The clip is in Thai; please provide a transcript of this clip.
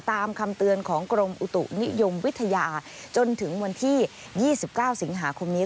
ตามคำเตือนของกรมอุตุนิยมวิทยาจนถึงวันที่๒๙สิงหาคมนี้